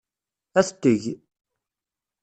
Ad t-teg.